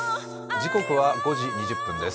時刻は５時２０分です。